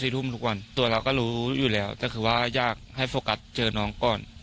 ทุ่มทุกวันตัวเราก็รู้อยู่แล้วแต่คือว่าอยากให้โฟกัสเจอน้องก่อน